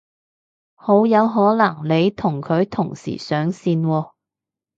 好有可能你同佢同時上線喎